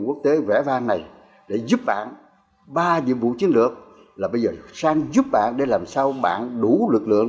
tới vẻ vang này để giúp bạn ba nhiệm vụ chiến lược là bây giờ sang giúp bạn để làm sao bạn đủ lực lượng